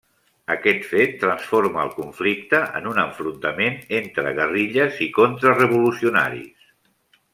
Aquest fet transforma el conflicte en un enfrontament entre guerrilles i contra-revolucionaris.